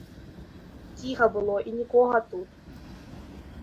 Ціха было, і нікога тут.